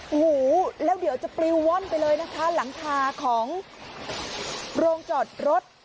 โอ้โหแล้วเดี๋ยวจะปลิวว่อนไปเลยนะคะหลังคาของโรงจอดรถ